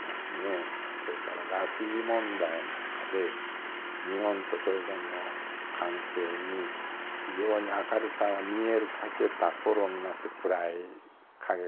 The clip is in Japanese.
それから拉致問題なんかで日本と朝鮮の関係に非常に明るさが見えかけた頃になって暗い影が大きくなってくるんですね。